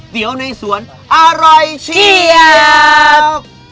เดี๋ยวในสวนอร่อยเชียบ